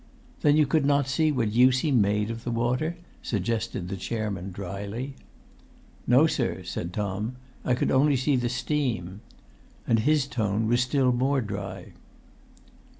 "Then you could not see what use he made of the water?" suggested the chairman, dryly. "No, sir," said Tom; "I could only see the steam." And his tone was still more dry.